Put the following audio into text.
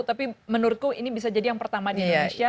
tapi menurutku ini bisa jadi yang pertama di indonesia